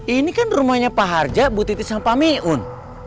ini kan rumahnya pak harja bu titi sama pak miun